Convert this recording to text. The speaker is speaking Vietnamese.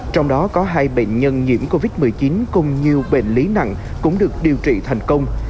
trong đó có hai bệnh nhân nhiễm covid một mươi chín cùng nhiều bệnh lý nặng cũng được điều trị thành công